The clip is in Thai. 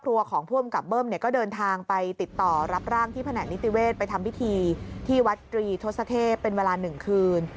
ของผู้อำกับเบิ้มเนี่ยก็เดินทางไปติดต่อรับร่างที่แผนกนิติเวศไปทำพิธีที่วัดตรีทศเทพเป็นเวลา๑คืน